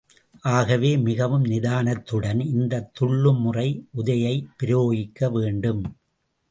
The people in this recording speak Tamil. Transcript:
ஆகவே, மிகவும் நிதானத்துடன் இந்தத் துள்ளும் முறை உதையை பிரயோகிக்க வேண்டும்.